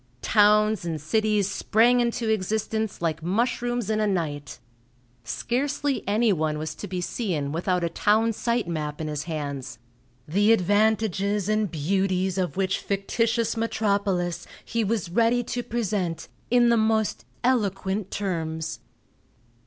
Towns and cities sprang into existence like mushrooms in a night. Scarcely anyone was to be seen without a town site map in his hands, the advantages and beauties of which fictitious metropolis he was ready to present in the most eloquent terms.